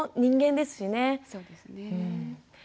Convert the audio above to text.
そうですね。